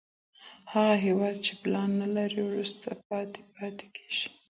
هغه هېواد چي پلان نلري، وروسته پاته پاته کېږي.